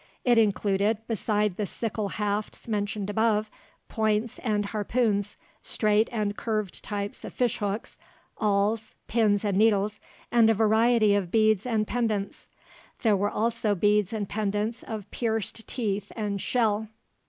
It included, beside the sickle hafts mentioned above, points and harpoons, straight and curved types of fish hooks, awls, pins and needles, and a variety of beads and pendants. There were also beads and pendants of pierced teeth and shell.